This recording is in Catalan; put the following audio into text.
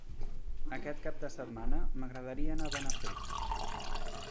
Aquest cap de setmana m'agradaria anar a Benafer.